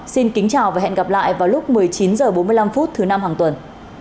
xin kính chào và hẹn gặp lại vào lúc một mươi chín h bốn mươi năm thứ năm hàng tuần